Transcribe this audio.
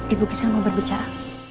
ibu gisel mau berbicara